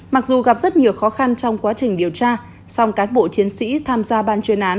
mặc dù gặp rất nhiều khó khăn trong quá trình điều tra song cán bộ chiến sĩ tham gia ban chuyên án